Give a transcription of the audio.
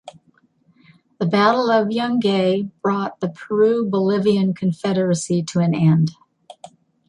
The Battle of Yungay brought the Peru-Bolivian Confederacy to an end.